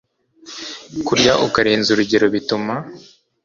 Kurya ukarenza urugero bituma